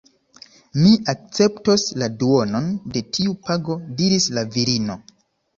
Mi akceptos la duonon de tiu pago diris la virino.